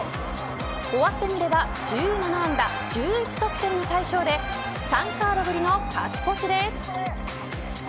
終わってみれば１７安打１１得点の大勝で３カードぶりの勝ち越しです。